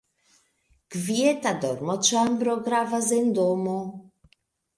Kvieta dormoĉambro gravas en domo.